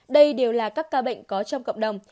đây đều là các ca bệnh có trong cộng đồng